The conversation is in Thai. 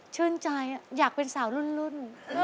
ชื่นใจอยากเป็นสาวรุ่น